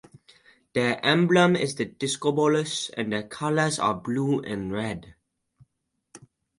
Their emblem is the Discobolus and their colors are blue and red.